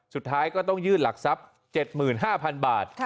สุดท้ายก็ต้องยื่นหลักทรัพย์๗๕๐๐๐บาท